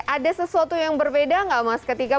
ada sesuatu yang berbeda nggak mas ketika